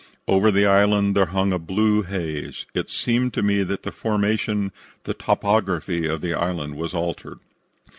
Over the island there hung a blue haze. It seemed to me that the formation, the topography, of the island was altered.